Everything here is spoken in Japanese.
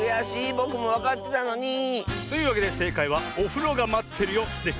ぼくもわかってたのに！というわけでせいかいは「おふろがまってるよ」でした。